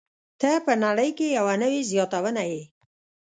ته په نړۍ کې یوه نوې زياتونه يې.